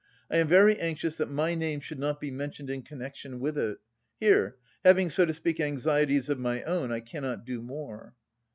I am very anxious that my name should not be mentioned in connection with it. Here... having so to speak anxieties of my own, I cannot do more..."